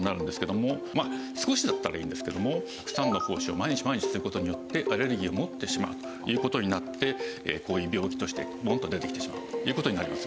少しだったらいいんですけどもたくさんの胞子を毎日毎日吸う事によってアレルギーを持ってしまうという事になってこういう病気としてボンと出てきてしまうという事になります。